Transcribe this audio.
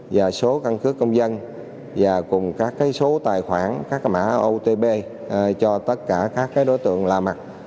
và số căn cứ công dân và cùng các số tài khoản các mã otb cho tất cả các đối tượng lạ mặt